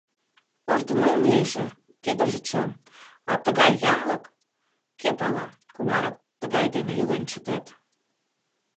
Орднуҥ лийже, тидыже чын, а тыгай янлык... кӧ пала, кунарак тыгай дене илен чытет...